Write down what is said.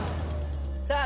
さあ